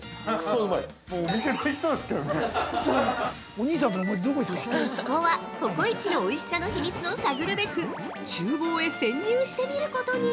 ◆そして一行は、ココイチのおいしさの秘密を探るべく厨房へ潜入してみることに。